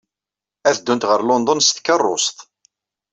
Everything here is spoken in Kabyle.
Ad ddunt ɣer London s tkeṛṛust.